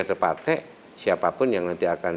repartai siapapun yang nanti akan